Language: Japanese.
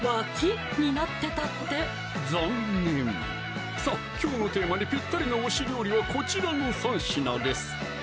残念さぁきょうのテーマにぴったりな推し料理はこちらの３品です